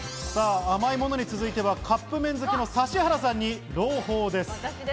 続いてはカップ麺好きの指原さんに朗報です。